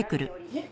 えっ？